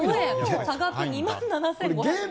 差額２万７５４０円。